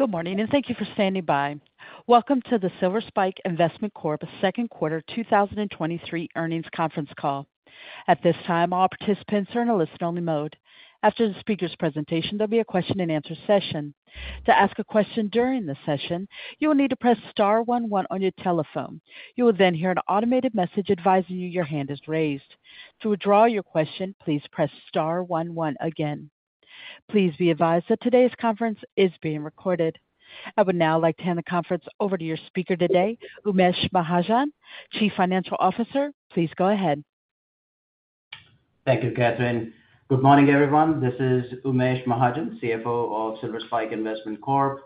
Good morning. Thank you for standing by. Welcome to the Silver Spike Investment Corp. Q2 2023 earnings conference call. At this time, all participants are in a listen-only mode. After the speaker's presentation, there'll be a question and answer session. To ask a question during the session, you will need to press star one one on your telephone. You will hear an automated message advising you your hand is raised. To withdraw your question, please press star one one again. Please be advised that today's conference is being recorded. I would now like to hand the conference over to your speaker today, Umesh Mahajan, Chief Financial Officer. Please go ahead. Thank you, Catherine. Good morning, everyone. This is Umesh Mahajan, CFO of Silver Spike Investment Corp.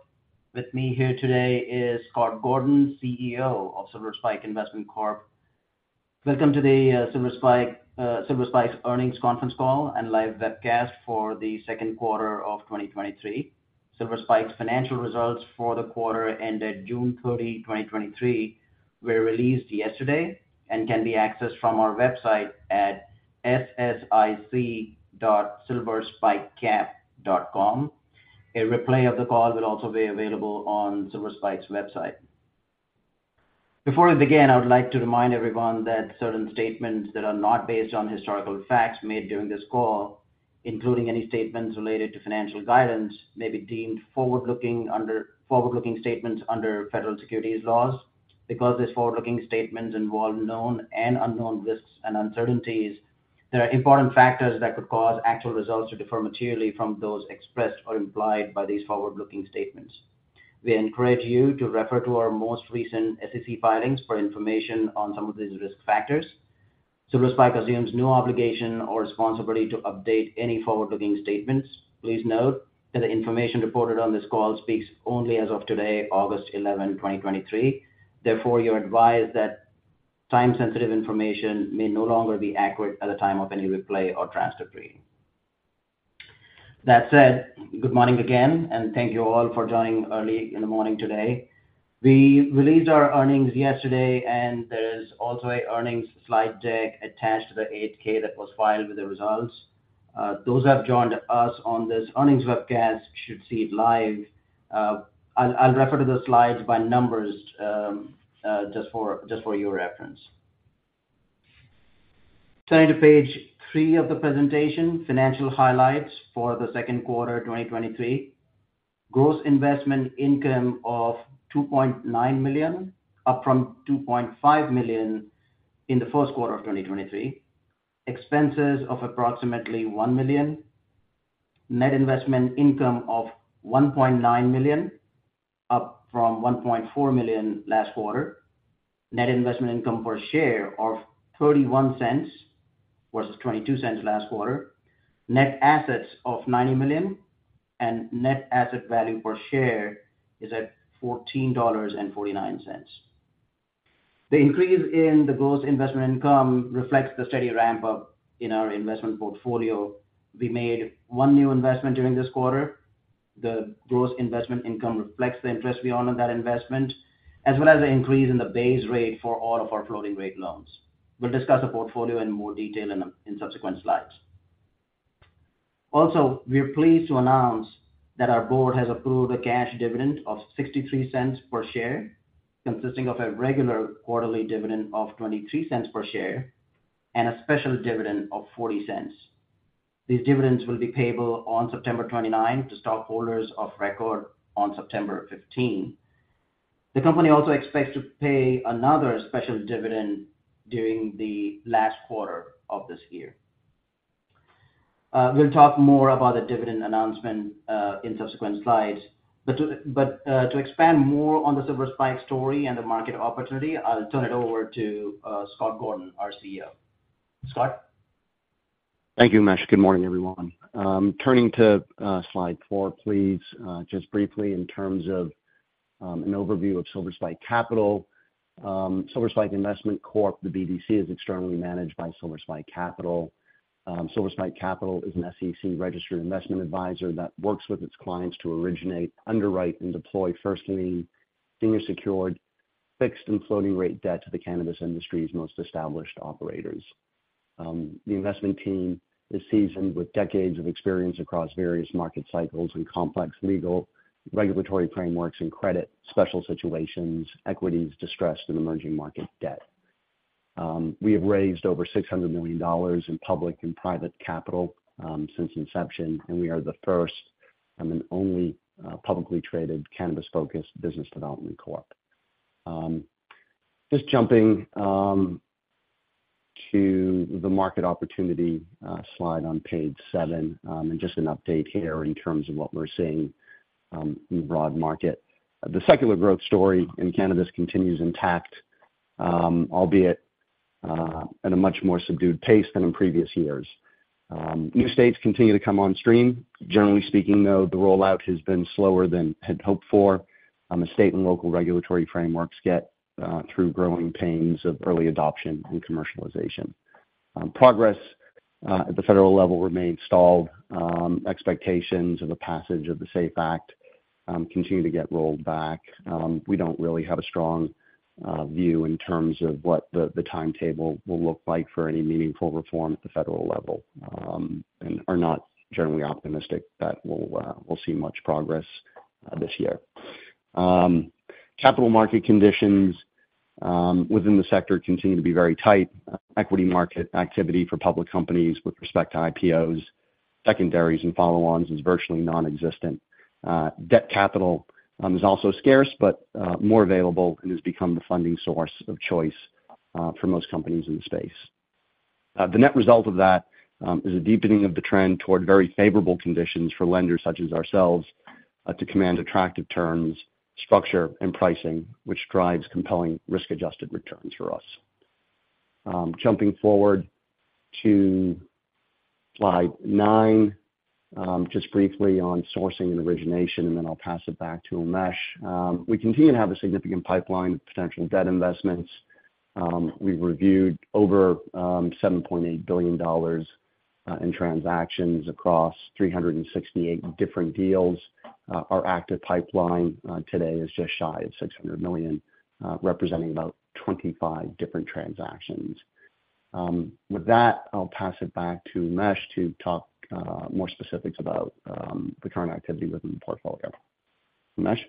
With me here today is Scott Gordon, CEO of Silver Spike Investment Corp. Welcome to the Silver Spike earnings conference call and live webcast for the Q2of 2023. Silver Spike's financial results for the quarter ended June 30, 2023, were released yesterday and can be accessed from our website at ssic.silverspikecap.com. A replay of the call will also be available on Silver Spike's website. Before we begin, I would like to remind everyone that certain statements that are not based on historical facts made during this call, including any statements related to financial guidance, may be deemed forward-looking statements under federal securities laws. Becae these forward-looking statements involve known and unknown risks and uncertainties, there are important factors that could cause actual results to differ materially from those expressed or implied by these forward-looking statements. We encourage you to refer to our most recent SEC filings for information on some of these risk factors. Silver Spike assumes no obligation or responsibility to update any forward-looking statements. Please note that the information reported on this call speaks only as of today, August eleven, twenty twenty-three. Therefore, you're advised that time-sensitive information may no longer be accurate at the time of any replay or transcript reading. That said, good morning again, and thank you all for joining early in the morning today. We released our earnings yesterday. There's also a earnings slide deck attached to the 8-K that was filed with the results. Those who have joined us on this earnings webcast should see it live. I'll, I'll refer to the slides by numbers, just for, just for your reference. Turning to page 3 of the presentation, financial highlights for the Q2, 2023. Gross investment income of $2.9 million, up from $2.5 million in the Q1 of 2023. Expenses of approximately $1 million. Net investment income of $1.9 million, up from $1.4 million last quarter. Net investment income per share of $0.31 versus $0.22 last quarter. Net assets of $90 million, and net asset value per share is at $14.49. The increase in the gross investment income reflects the steady ramp-up in our investment portfolio. We made 1 new investment during this quarter. The gross investment income reflects the interest we own on that investment, as well as an increase in the base rate for all of our floating-rate loans. We'll discuss the portfolio in more detail in subsequent slides. Also, we are pleased to announce that our board has approved a cash dividend of $0.63 per share, consisting of a regular quarterly dividend of $0.23 per share and a special dividend of $0.40. These dividends will be payable on September 29 to stockholders of record on September 15. The company also expects to pay another special dividend during the last quarter of this year. We'll talk more about the dividend announcement in subsequent slides. To expand more on the Silver Spike story and the market opportunity, I'll turn it over to Scott Gordon, our CEO. Scott? Thank you, Umesh. Good morning, everyone. Turning to slide 4, please, just briefly in terms of an overview of Silver Spike Capital. Silver Spike Investment Corp, the BDC, is externally managed by Silver Spike Capital. Silver Spike Capital is an SEC-registered investment adviser that works with its clients to originate, underwrite, and deploy first lien, senior secured, fixed and floating rate debt to the cannabis industry's most established operators. The investment team is seasoned with decades of experience across various market cycles and complex legal, regulatory frameworks and credit, special situations, equities, distressed and emerging market debt. We have raised over $600 million in public and private capital since inception, and we are the first and the only publicly traded cannabis-focused business development company. Just jumping to the market opportunity slide on page 7, and just an update here in terms of what we're seeing in the broad market. The secular growth story in cannabis continues intact, albeit at a much more subdued pace than in previous years. New states continue to come on stream. Generally speaking, though, the rollout has been slower than had hoped for on the state and local regulatory frameworks get through growing pains of early adoption and commercialization. Progress at the federal level remains stalled. Expectations of the passage of the SAFE Banking Act continue to get rolled back. We don't really have a strong view in terms of what the timetable will look like for any meaningful reform at the federal level, and are not generally optimistic that we'll see much progress this year. Capital market conditions within the sector continue to be very tight. Equity market activity for public companies with respect to IPOs, secondaries, and follow-ons is virtually nonexistent. Debt capital is also scarce, but more available and has become the funding source of choice for most companies in the space. The net result of that is a deepening of the trend toward very favorable conditions for lenders such as ourselves to command attractive terms, structure, and pricing, which drives compelling risk-adjusted returns for us. Jumping forward to slide 9, just briefly on sourcing and origination, then I'll pass it back to Umesh. We continue to have a significant pipeline of potential debt investments. We've reviewed over $7.8 billion in transactions across 368 different deals. Our active pipeline today is just shy of $600 million, representing about 25 different transactions. With that, I'll pass it back to Umesh to talk more specifics about the current activity within the portfolio. Umesh?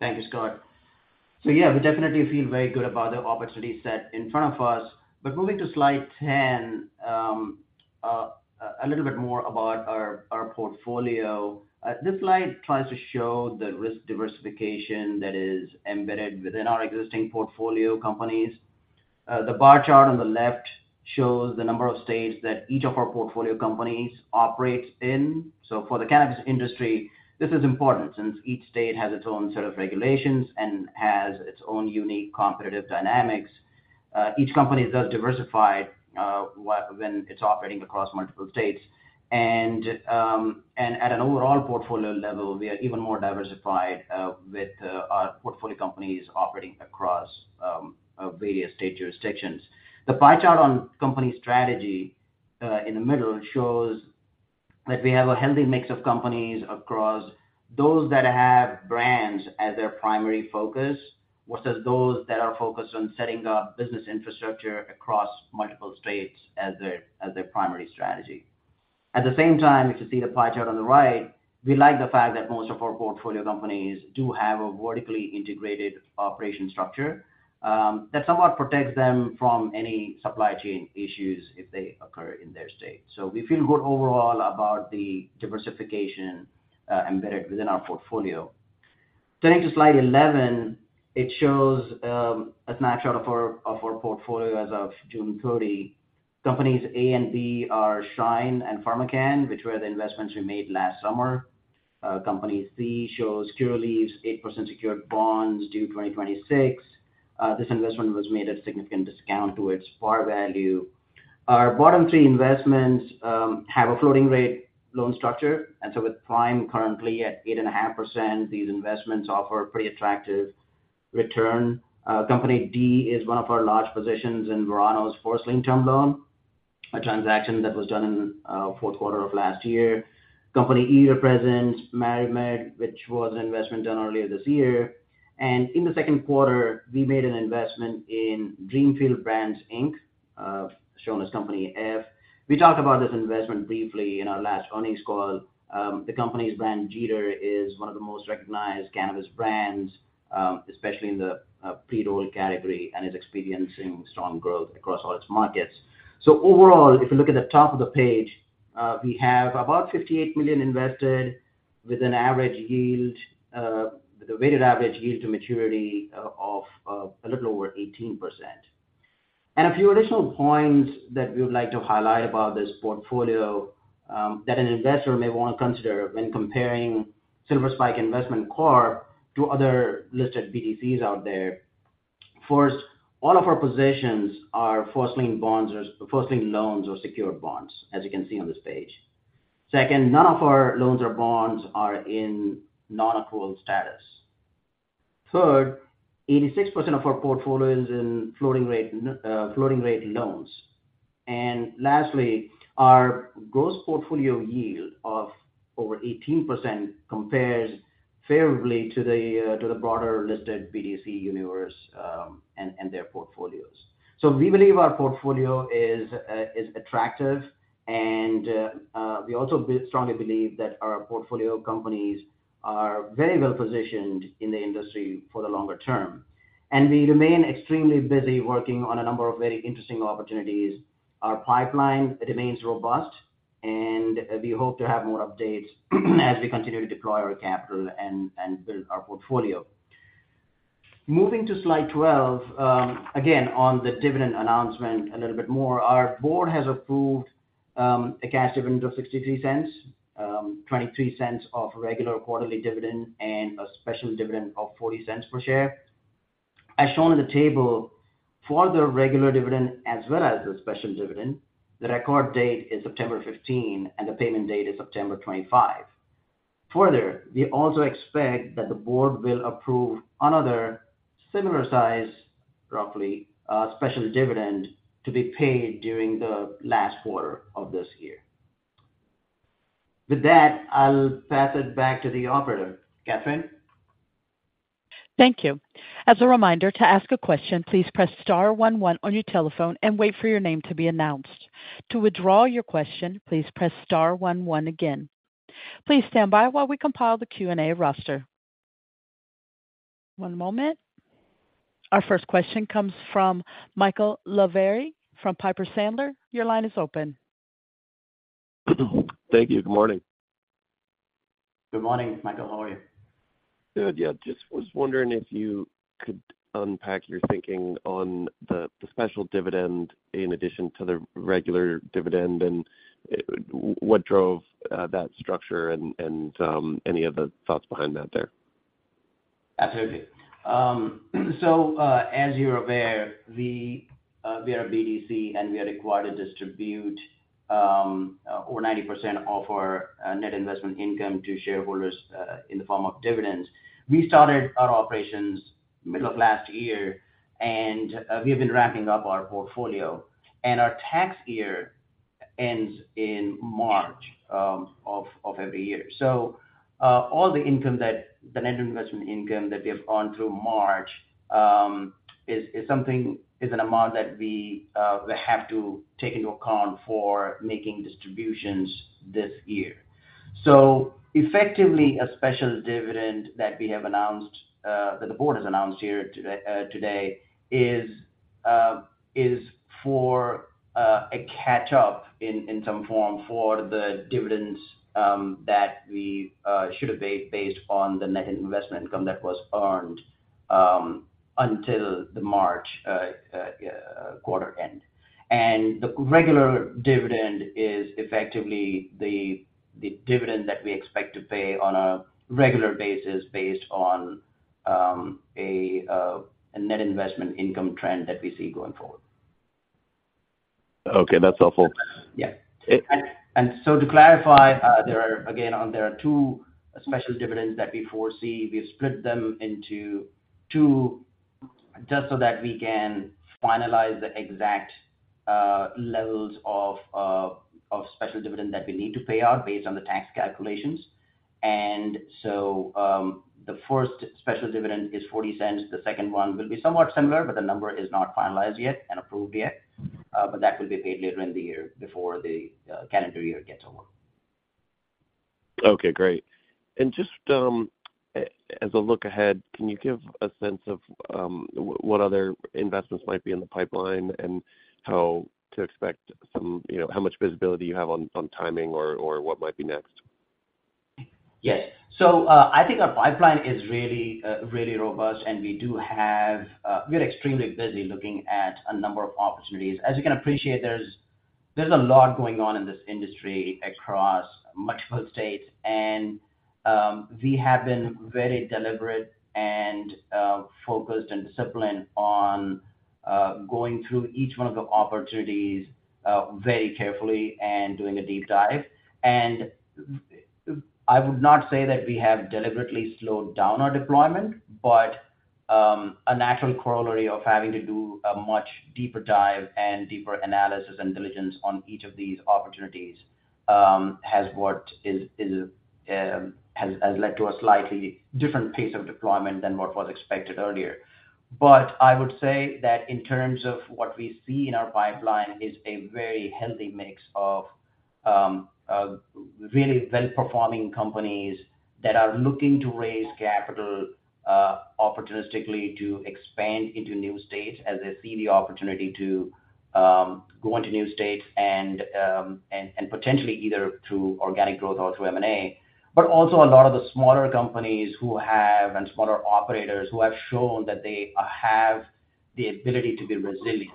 Thank you, Scott. Yeah, we definitely feel very good about the opportunity set in front of us. Moving to slide 10, a little bit more about our portfolio. This slide tries to show the risk diversification that is embedded within our existing portfolio companies. The bar chart on the left shows the number of states that each of our portfolio companies operates in. For the cannabis industry, this is important since each state has its own set of regulations and has its own unique competitive dynamics. Each company is thus diversified, when, when it's operating across multiple states. At an overall portfolio level, we are even more diversified with our portfolio companies operating across various state jurisdictions. The pie chart on company strategy, in the middle shows that we have a healthy mix of companies across those that have brands as their primary focus, versus those that are focused on setting up business infrastructure across multiple states as their, as their primary strategy. At the same time, if you see the pie chart on the right, we like the fact that most of our portfolio companies do have a vertically integrated operation structure, that somewhat protects them from any supply chain issues if they occur in their state. We feel good overall about the diversification, embedded within our portfolio. Turning to slide 11, it shows, a snapshot of our, of our portfolio as of June 30. Companies A and B are Shryne and PharmaCann, which were the investments we made last summer. Company C shows Curaleaf's 8% secured bonds due 2026. This investment was made at a significant discount to its par value. Our bottom three investments have a floating rate loan structure, and so with Prime currently at 8.5%, these investments offer pretty attractive return. Company D is one of our large positions in Verano's first lien term loan, a transaction that was done in Q4 of last year. Company E represents MariMed, which was an investment done earlier this year, and in the Q2, we made an investment in DreamFields Brands, Inc, shown as Company F. We talked about this investment briefly in our last earnings call. The company's brand, Jeeter, is one of the most recognized cannabis brands, especially in the pre-roll category, and is experiencing strong growth across all its markets. Overall, if you look at the top of the page, we have about $58 million invested with an average yield, the weighted average yield to maturity, of a little over 18%. A few additional points that we would like to highlight about this portfolio, that an investor may want to consider when comparing Silver Spike Investment Corp to other listed BDCs out there. First, all of our positions are first lien bonds or first lien loans or secured bonds, as you can see on this page. Second, none of our loans or bonds are in non-accrual status. Third, 86% of our portfolio is in floating rate, floating rate loans. Lastly, our gross portfolio yield of over 18% compares favorably to the broader listed BDC universe, and their portfolios. We believe our portfolio is attractive, and we also strongly believe that our portfolio companies are very well-positioned in the industry for the longer term. We remain extremely busy working on a number of very interesting opportunities. Our pipeline remains robust, and we hope to have more updates as we continue to deploy our capital and build our portfolio. Moving to slide 12, again, on the dividend announcement a little bit more. Our board has approved a cash dividend of $0.63, $0.23 of regular quarterly dividend and a special dividend of $0.40 per share. As shown in the table, for the regular dividend as well as the special dividend, the record date is September 15, and the payment date is September 25. Further, we also expect that the board will approve another similar size, roughly, special dividend to be paid during the last quarter of this year. With that, I'll pass it back to the operator. Catherine? Thank you. As a reminder, to ask a question, please press star one one on your telephone and wait for your name to be announced. To withdraw your question, please press star one one again. Please stand by while we compile the Q&A roster. One moment. Our first question comes from Michael Lavery from Piper Sandler. Your line is open. Thank you. Good morning. Good morning, Michael. How are you? Good. Yeah, just was wondering if you could unpack your thinking on the special dividend in addition to the regular dividend, and what drove that structure and any of the thoughts behind that there? Absolutely. So, as you're aware, we are a BDC, and we are required to distribute over 90% of our net investment income to shareholders in the form of dividends. We started our operations middle of last year, and we have been ramping up our portfolio. Our tax year ends in March of every year. All the income that-- the net investment income that we have earned through March is something, is an amount that we have to take into account for making distributions this year. Effectively, a special dividend that we have announced that the board has announced here today, is for a catch up in, in some form for the dividends that we should have paid based on the Net Investment Income that was earned until the March quarter end. The regular dividend is effectively the, the dividend that we expect to pay on a regular basis, based on a Net Investment Income trend that we see going forward. Okay, that's helpful. Yeah. So to clarify, there are again there are 2 special dividends that we foresee. We've split them into 2, just so that we can finalize the exact levels of special dividend that we need to pay out based on the tax calculations. The first special dividend is $0.40. The second one will be somewhat similar, but the number is not finalized yet and approved yet. That will be paid later in the year before the calendar year gets over. Okay, great. Just, as a look ahead, can you give a sense of, what other investments might be in the pipeline and how to expect some, how much visibility you have on, on timing or, or what might be next? Yes. I think our pipeline is really robust, and we do have... We're extremely busy looking at a number of opportunities. As you can appreciate, there's, there's a lot going on in this industry across multiple states, and we have been very deliberate and focused and disciplined on going through each one of the opportunities very carefully and doing a deep dive. I would not say that we have deliberately slowed down our deployment, but a natural corollary of having to do a much deeper dive and deeper analysis and diligence on each of these opportunities has what is, is, has, has led to a slightly different pace of deployment than what was expected earlier. I would say that in terms of what we see in our pipeline is a very healthy mix of really well-performing companies that are looking to raise capital opportunistically to expand into new states as they see the opportunity to go into new states and, and potentially either through organic growth or through M&A. Also a lot of the smaller companies who have, and smaller operators, who have shown that they have the ability to be resilient.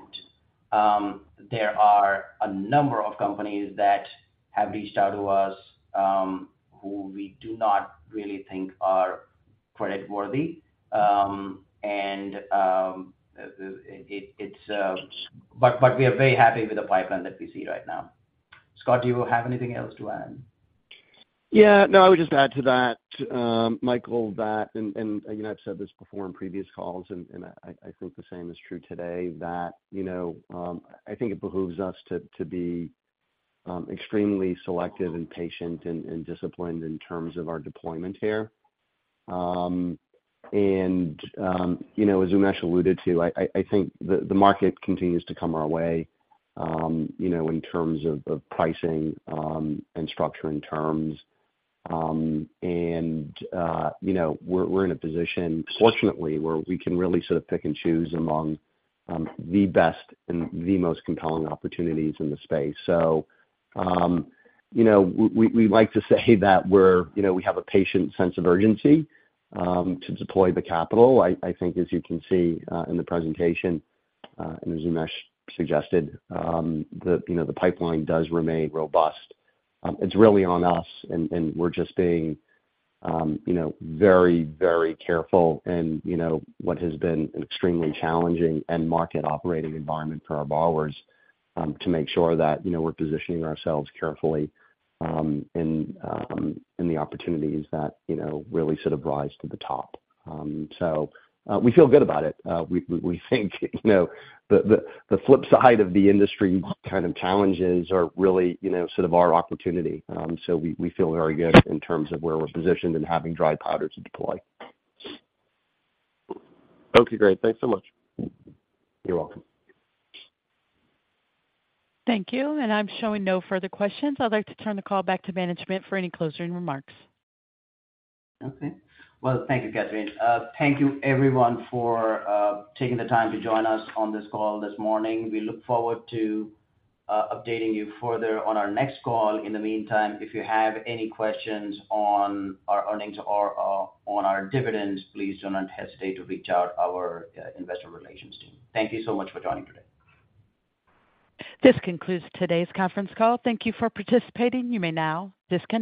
There are a number of companies that have reached out to us who we do not really think are creditworthy. It, it, it's... but we are very happy with the pipeline that we see right now. Scott, do you have anything else to add? Yeah. No, I would just add to that, Michael, that, I've said this before in previous calls, and, I, I think the same is true today, that, I think it behooves us to be extremely selective and patient and disciplined in terms of our deployment here. You know, as Umesh alluded to, I, I, I think the market continues to come our way, in terms of pricing and structuring terms. You know, we're in a position, fortunately, where we can really sort of pick and choose among the best and the most compelling opportunities in the space. So, we like to say that we're, we have a patient sense of urgency to deploy the capital. I, I think, as you can see, in the presentation, and as Umesh suggested, the pipeline does remain robust. It's really on us, and we're just being, very careful and, what has been an extremely challenging and market operating environment for our borrowers, to make sure that, we're positioning ourselves carefully, in the opportunities that, really sort of rise to the top. We feel good about it. We, think, the, the, the flip side of the industry kind of challenges are really, sort of our opportunity. We, we feel very good in terms of where we're positioned and having dry powder to deploy. Okay, great. Thanks so much. You're welcome. Thank you. I'm showing no further questions. I'd like to turn the call back to management for any closing remarks. Okay. Well, thank you, Catherine. Thank you, everyone, for taking the time to join us on this call this morning. We look forward to updating you further on our next call. In the meantime, if you have any questions on our earnings or on our dividends, please do not hesitate to reach out our investor relations team. Thank you so much for joining today. This concludes today's conference call. Thank Thank you for participating. You may now disconnect.